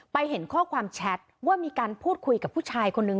เห็นข้อความแชทว่ามีการพูดคุยกับผู้ชายคนนึง